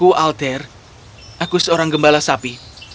dan iya namaku alter aku seorang gembala sapi